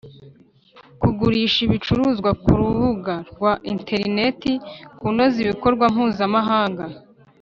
kugurisha ibicuruzwa ku rubuga rwa interineti, kunoza ibikorwa mpuzamahanga